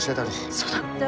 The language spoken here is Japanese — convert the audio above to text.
そうだ。